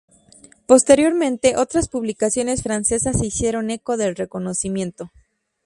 Posteriormente, otras publicaciones francesas se hicieron eco del reconocimiento.